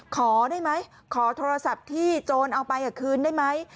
ขอได้ไหมขอโทรศัพท์ที่โจรเอาไปคืนได้ไหม